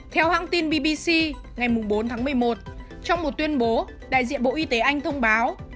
theo hãng tin bbc ngày bốn tháng một mươi một trong một tuyên bố đại diện bộ y tế anh thông báo